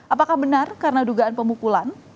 apakah benar karena dugaan pemukulan